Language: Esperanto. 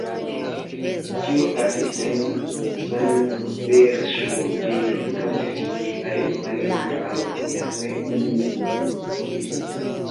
Ĉio pasis sen sangverŝo kaj ni ankaŭ restis vivaj malgraŭ minacoj nin mortigi.